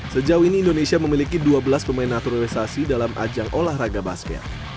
sejauh ini indonesia memiliki dua belas pemain naturalisasi dalam ajang olahraga basket